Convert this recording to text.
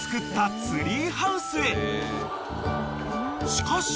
［しかし］